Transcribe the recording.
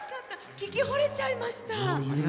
聴きほれちゃいました。